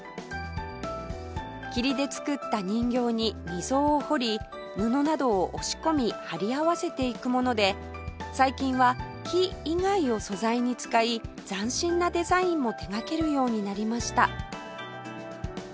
桐で作った人形に溝を彫り布などを押し込み貼り合わせていくもので最近は木以外を素材に使い斬新なデザインも手掛けるようになりました